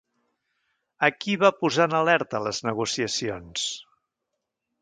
A qui va posar en alerta les negociacions?